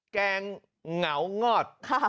แกงเหงางอด